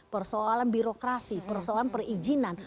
persoalan birokrasi persoalan perizinan